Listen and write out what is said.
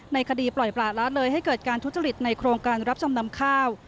คดีปล่อยประละเลยให้เกิดการทุจริตในโครงการรับจำนำข้าว